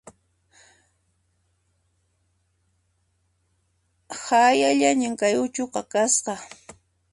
Hayallañan kay uchuqa kasqa